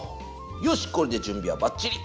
よしこれで準備はばっちり。